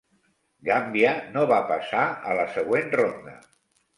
Gàmbia no va passar a la següent ronda.